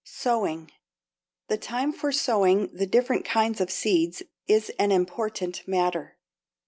=Sowing.= The time for sowing the different kinds of seeds is an important matter.